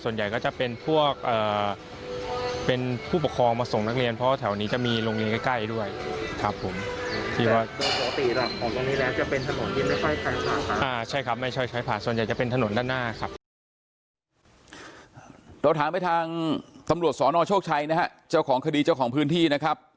ถามไปทางตำรวจสนโชคชัยนะฮะเจ้าของคดีเจ้าของพื้นที่นะครับ